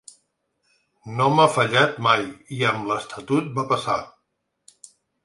No m’ha fallat mai, i amb l’estatut va passar.